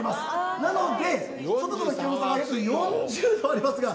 なので、外との気温差が約４０度ありますが。